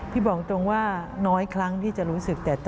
บอกตรงว่าน้อยครั้งที่จะรู้สึก